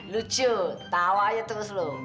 lucu tawa aja terus loh